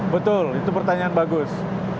betul itu pertanyaan bagus